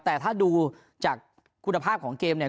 แต่ถ้าดูจากคุณภาพของเกมเนี่ย